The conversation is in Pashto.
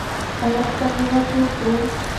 آیا خپل هیواد جوړ کړو؟